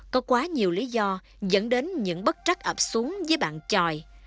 có quá nhiều lý do dẫn đến những bất trắc ập xuống với bạn tròi